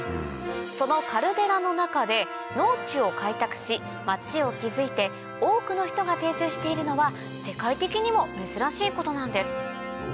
そのカルデラの中で農地を開拓し町を築いて多くの人が定住しているのは世界的にも珍しいことなんです